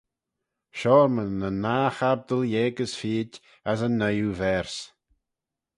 Psalmyn yn nah chabdyl yeig as feed as yn nuyoo verse.